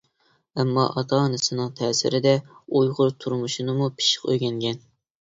ئەمما ئاتا-ئانىسىنىڭ تەسىرىدە ئۇيغۇر تۇرمۇشىنىمۇ پىششىق ئۆگەنگەن.